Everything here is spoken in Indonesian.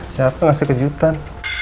siapa ngasih kejutan